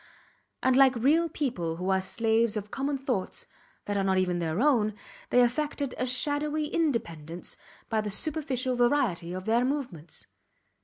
And like real people who are slaves of common thoughts, that are not even their own, they affected a shadowy independence by the superficial variety of their movements.